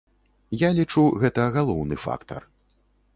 Я лічу, гэта галоўны фактар.